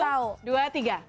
satu dua tiga